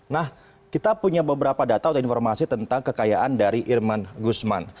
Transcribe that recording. nah kita punya beberapa data atau informasi tentang kekayaan dari irman gusman